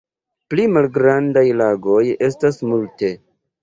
Pli malgrandaj lagoj estas multe.